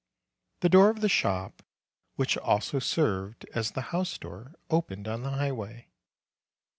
The door of the shop, which also served as the house door, opened on the highway.